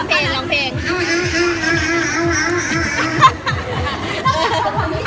เบันนี้มั้นหนึ่ง